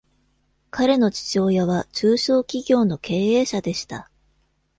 彼の父親は中小企業の経営者でした。